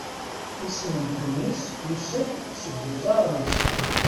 Isem n Tunes yusa-d seg uẓaṛ ens.